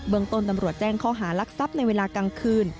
เมืองต้นตำรวจแจ้งข้อหารักทรัพย์ในเวลากลางคืน